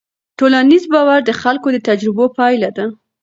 ټولنیز باور د خلکو د تجربو پایله ده.